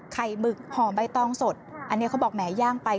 หมึกห่อใบตองสดอันนี้เขาบอกแหมย่างไป